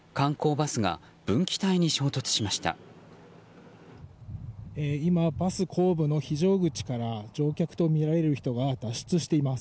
バス後部の非常口から乗客とみられる人が脱出しています。